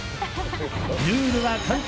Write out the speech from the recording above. ルールは簡単！